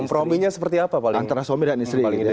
komprominya seperti apa paling ideal mas